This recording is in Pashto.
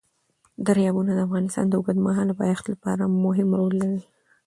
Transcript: دریابونه د افغانستان د اوږدمهاله پایښت لپاره مهم رول لري.